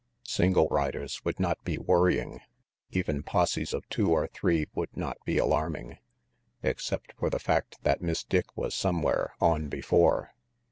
Single riders would not be worrying, even posses of two or three would not be alarming, except for the fact that Miss Dick was somewhere on before.